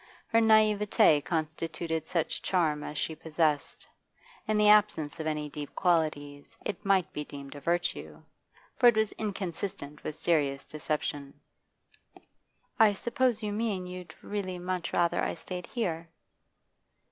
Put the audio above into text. Her naivete constituted such charm as she possessed; in the absence of any deep qualities it might be deemed a virtue, for it was inconsistent with serious deception. 'I suppose you mean you'd really much rather I stayed here?